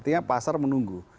artinya pasar menunggu